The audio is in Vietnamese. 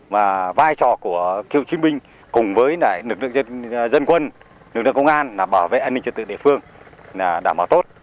và vai trò của cựu chiến binh cùng với nực lượng dân quân nực lượng công an bảo vệ an ninh trực tự địa phương đã mở tốt